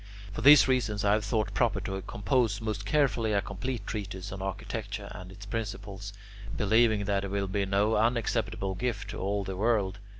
For these reasons I have thought proper to compose most carefully a complete treatise on architecture and its principles, believing that it will be no unacceptable gift to all the world.